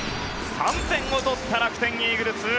３点を取った楽天イーグルス。